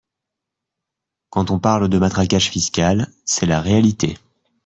Quand on parle de matraquage fiscal, c’est la réalité.